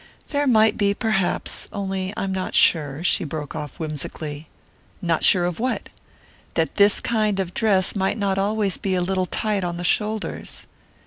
"There might be, perhaps...only I'm not sure " She broke off whimsically. "Not sure of what?" "That this kind of dress might not always be a little tight on the shoulders."